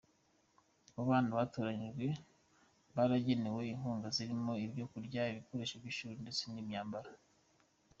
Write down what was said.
Mu bana batoranyijwe baragenewe inkunga zirimo ibyo kurya, ibikoresho by’ishuri ndetse n’imyambaro.